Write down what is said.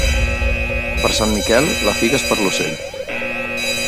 Per Sant Miquel, la figa és per a l'ocell.